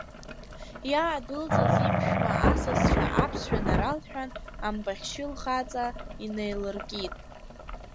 Иаадәылҵыз иԥшәма асасцәа аԥсшәа наралҳәан, ампахьшьы лхаҵа инаилыркит.